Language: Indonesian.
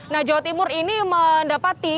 nah jawa timur ini mendapati